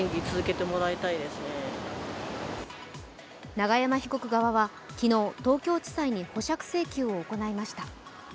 永山被告側は昨日、東京地裁に保釈請求を行いました。